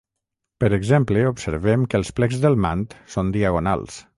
Per exemple, observem que els plecs del mant són diagonals.